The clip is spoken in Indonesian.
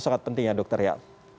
sangat penting ya dokter ya